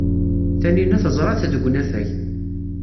Tanina teẓra-t deg unafag.